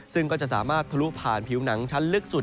ซึ่งก็จะสามารถทะลุผ่านผิวหนังชั้นลึกสุด